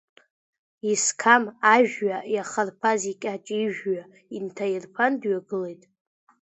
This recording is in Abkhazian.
Исқам ажәҩа иахарԥаз икьаҿ ижәҩа инҭаирԥан, дҩагылеит.